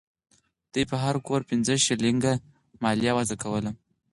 دوی پر هر کور پنځه شلینګه مالیه وضع کوله.